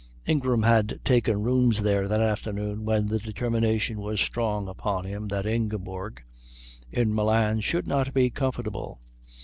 Ingram had taken rooms there that afternoon when the determination was strong upon him that Ingeborg, in Milan, should not be comfortable.